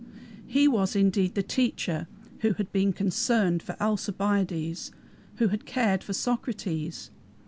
He was indeed the "Teacher" who had been "concerned" for Alcibiades, who had cared for Socrates.